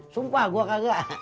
sumpah gua kagak